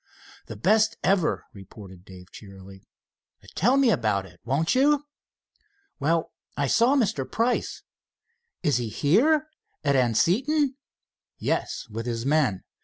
"The best ever," reported Dave cheerily. "Tell me about it, won't you?" "Well, I saw Mr. Price." "Is he here at Anseton?" "Yes, with his men.